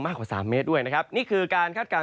มากกว่า๓เมตรด้วยนะครับนิกคือการคาดการ